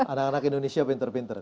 anak anak indonesia pinter pinter